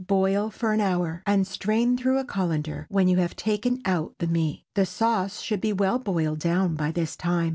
Boil for an hour, and strain through a cullender when you have taken out the meat. The sauce should be well boiled down by this time.